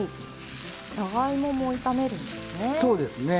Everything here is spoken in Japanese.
じゃがいもも炒めるんですね。